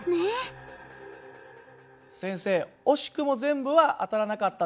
先生惜しくも全部は当たらなかったんですが。